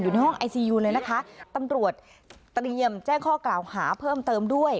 ในห้องไอซียูเลยนะคะตำรวจเตรียมแจ้งข้อกล่าวหาเพิ่มเติมด้วย